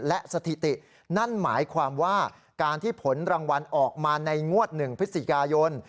และสถิตินั่นหมายความว่าการที่ผลรางวัลออกมาในงวด๑พฤศจิกายน